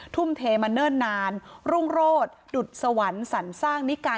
ทุ่มเทมาเนิ่นนานรุ่งโรศดุดสวรรค์สรรสร้างนิกา